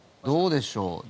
どうでしょう。